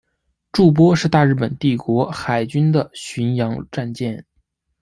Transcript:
筑波是大日本帝国海军的巡洋战舰。